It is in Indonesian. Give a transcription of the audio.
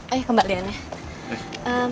eh kembali aja